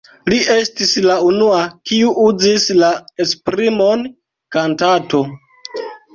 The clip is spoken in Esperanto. Li estis la unua, kiu uzis la esprimon „kantato“.